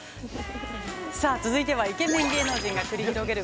◆さあ、続いては、イケメン芸能人が繰り広げる